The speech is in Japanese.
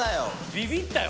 ビビったよ